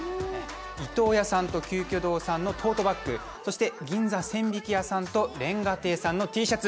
伊東屋さんと鳩居堂さんのトートバッグ、そして銀座千疋屋さんと煉瓦亭さんのＴシャツ。